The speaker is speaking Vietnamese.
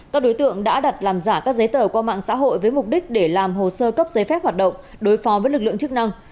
các đối tượng đã đặt làm giả các giấy tờ qua mạng xã hội với mục đích để làm hồ sơ cấp giấy phép hoạt động đối phó với lực lượng chức năng